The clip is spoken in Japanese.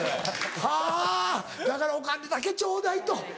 はぁだからお金だけちょうだいと。